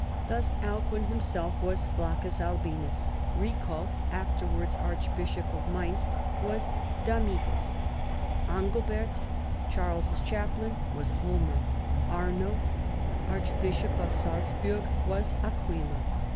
Thus Alcuin himself was Flaccus Albinus, Riculf (after wards Archbishop of Mainz) was Damoetas; Angil bert, Charles's chaplain, was Homer ; Arno, Arch bishop of Salzburg, was Aquila.